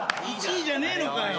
１位じゃねえのかよ！